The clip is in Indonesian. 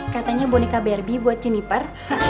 katanya boneka barbie buat jeniper